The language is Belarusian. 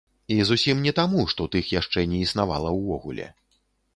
І зусім не таму, што тых яшчэ не існавала ўвогуле.